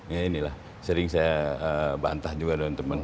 ini inilah sering saya bantah juga dengan teman